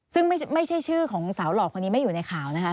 ซึ่งไม่ใช่ชื่อของสาวหล่อคนนี้ไม่อยู่ในข่าวนะคะ